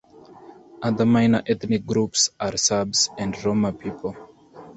Other minor ethnic groups are Serbs and Roma people.